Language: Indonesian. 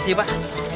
di sini pak